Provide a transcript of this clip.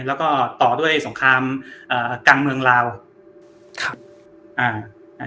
แล้วก็ต่อด้วยสงครามกลางเมืองลาวครับอ่า